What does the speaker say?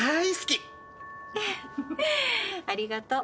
ありがとう。